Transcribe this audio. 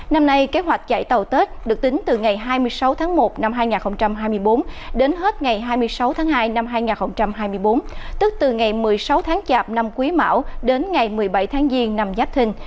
năm nay kế hoạch chạy tàu tết được tính từ ngày hai mươi sáu tháng một năm hai nghìn hai mươi bốn đến hết ngày hai mươi sáu tháng hai năm hai nghìn hai mươi bốn tức từ ngày một mươi sáu tháng chạp năm quý mão đến ngày một mươi bảy tháng giêng năm giáp thình